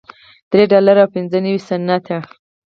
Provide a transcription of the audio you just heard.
درې ډالره او پنځه نوي سنټه